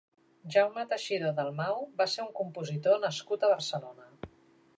Jaume Teixidor Dalmau va ser un compositor nascut a Barcelona.